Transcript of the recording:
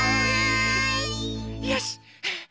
よし！